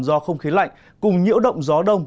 do không khí lạnh cùng nhiễu động gió đông